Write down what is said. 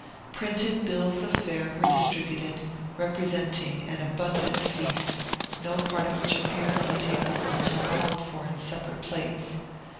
Printed bills of fare were distributed, representing an abundant feast, no part of which appeared on the table until called for in separate plates.